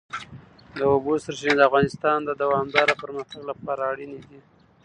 د اوبو سرچینې د افغانستان د دوامداره پرمختګ لپاره اړین دي.